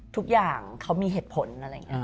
ทุกอย่างเขามีเหตุผลอะไรอย่างนี้